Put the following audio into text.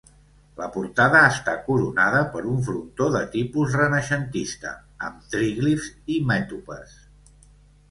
La portada està coronada per un frontó de tipus renaixentista, amb tríglifs i mètopes.